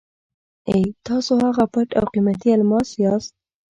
اې! تاسو هغه پټ او قیمتي الماس یاست.